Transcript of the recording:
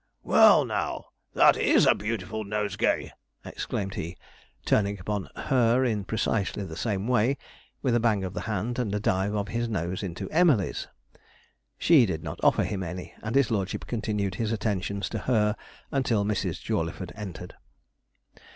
'Well, now, that is a beautiful nosegay!' exclaimed he, turning upon her in precisely the same way, with a bang of the hand and a dive of his nose into Emily's. She did not offer him any, and his lordship continued his attentions to her until Mrs. Jawleyford entered.